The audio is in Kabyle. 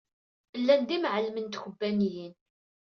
Llan d imɛellmen n tkebbaniyin.